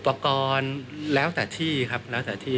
ประกอบแล้วแต่ที่ครับแล้วแต่ที่